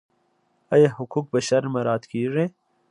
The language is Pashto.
آیا حقوق بشر مراعات کیږي؟